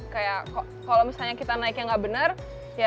kayak kalau misalnya kita naiknya nggak benar ya kita bisa menang